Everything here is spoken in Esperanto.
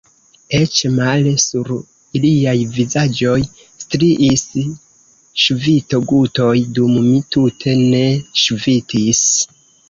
Eĉ male – sur iliaj vizaĝoj striis ŝvito-gutoj, dum mi tute ne ŝvitis.